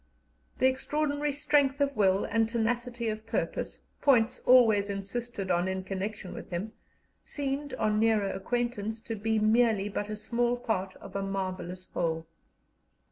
The extraordinary strength of will and tenacity of purpose, points always insisted on in connection with him, seemed on nearer acquaintance to be merely but a small part of a marvellous whole.